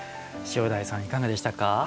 塩鯛さん、いかがでしたか。